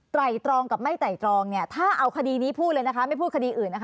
ไต่ตรองกับไม่ไต่ตรองถ้าเอาคดีนี้พูดเลยนะไม่พูดคดีอื่น